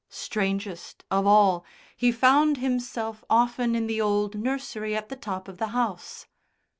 Strangest of all, he found himself often in the old nursery at the top of the house.